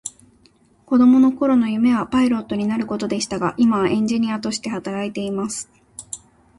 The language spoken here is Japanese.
子供の頃の夢はパイロットになることでしたが、今はエンジニアとして働いています。